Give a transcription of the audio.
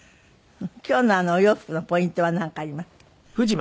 今日のお洋服のポイントはなんかありますか？